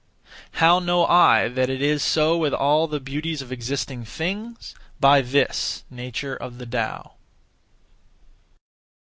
How know I that it is so with all the beauties of existing things? By this (nature of the Tao).